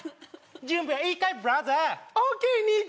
準備はいいかい？